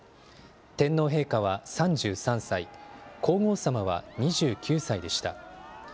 天皇陛下は３３歳、皇后さまは２９歳でした。